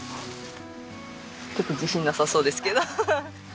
ちょっと自信なさそうですけどハハハハ。